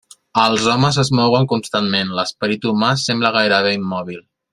Els homes es mouen constantment, l'esperit humà sembla gairebé immòbil.